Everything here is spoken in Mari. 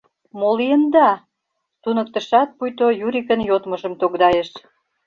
— Мо лийында? — туныктышат пуйто Юрикын йодмыжым тогдайыш.